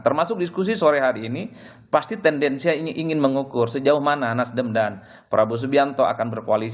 termasuk diskusi sore hari ini pasti tendensinya ini ingin mengukur sejauh mana nasdem dan prabowo subianto akan berkoalisi